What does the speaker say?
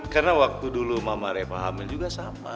karena waktu dulu mama reva hamil juga sama